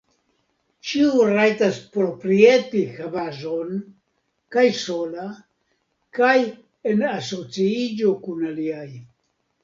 Ĉiu rajtas proprieti havaĵon, kaj sola kaj en asociiĝo kun aliaj.